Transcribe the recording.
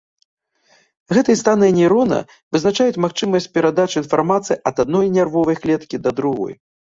Гэтыя станы нейрона вызначаюць магчымасць перадачы інфармацыі ад адной нервовай клеткі да другой.